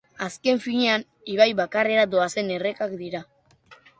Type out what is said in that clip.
Azken finean, ibai bakarrera doazen errekak dira.